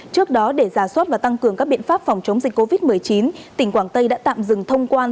trước đó để giả soát và tăng cường các biện pháp phòng chống dịch covid một mươi chín tỉnh quảng tây đã tạm dừng thông quan